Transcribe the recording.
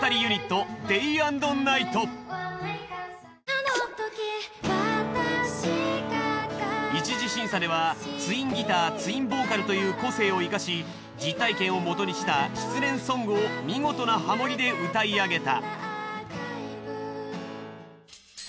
「あの時私が」一次審査ではツインギターツインボーカルという個性を生かし実体験をもとにした失恋ソングを見事なハモりで歌い上げた。